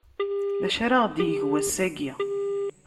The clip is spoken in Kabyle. D acu ara ɣ-d-yeg wass-agi?